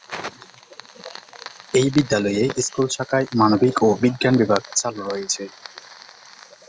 এই বিদ্যালয়ে স্কুল শাখায় মানবিক ও বিজ্ঞান বিভাগ চালু রয়েছে।